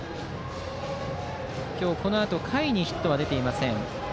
今日、このあと下位にヒットは出ていません。